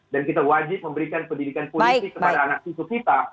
dan kita wajib memberikan pendidikan politik kepada anak sisi kita